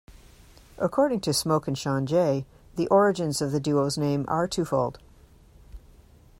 According to Smoke and Shawn Jay, the origins of the duo's name are twofold.